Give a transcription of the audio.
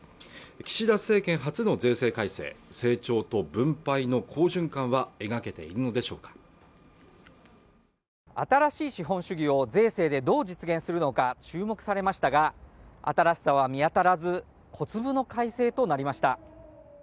岸田政権初の税制改正成長と分配の好循環は描けているのでしょうか新しい資本主義を税制でどう実現するのか注目されましたが新しさは見当たらず小粒の改正となりました